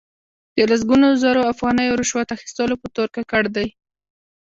د لسګونو زرو افغانیو رشوت اخستلو په تور ککړ دي.